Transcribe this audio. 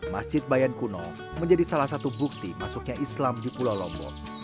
masjid bayan kuno menjadi salah satu bukti masuknya islam di pulau lombok